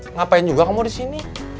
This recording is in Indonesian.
ngapain juga kamu disini